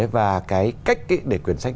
và cái cách để quyển sách